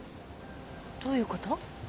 どういうこと？